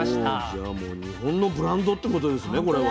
じゃあもう日本のブランドってことですねこれは。